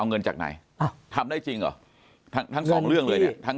เอาเงินจากไหนทำได้จริงเหรอทั้งสองเรื่องเลยเนี่ยทั้ง